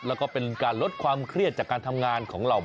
แล้วก็เป็นการลดความเครียดจากการทำงานของเหล่า